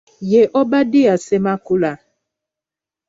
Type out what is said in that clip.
Ye Obadiah Ssemakula.